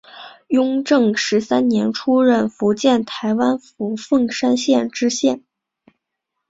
雍正十三年出任福建台湾府凤山县知县。